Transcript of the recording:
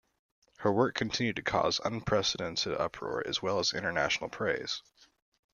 Her work continued to cause unprecedented uproar as well as international praise.